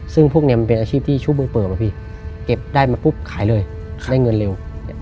ซึ่งพวกนี้มันเป็นอาชีพที่ชู้มือเปิบอะพี่เก็บได้มาปุ๊บขายเลยได้เงินเร็ว